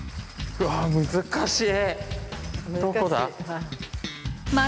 うわ難しい。